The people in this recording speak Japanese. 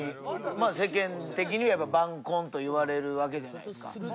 まあ世間的にはやっぱ晩婚といわれるわけじゃないですか。